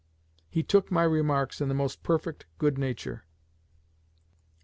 He took my remarks in the most perfect good nature.